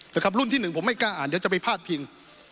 รุ่นที่หนึ่งผมไม่กล้าอ่านเดี๋ยวจะไปพาดพิง